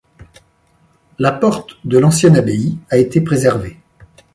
La porte de l'ancienne abbaye a été préservée.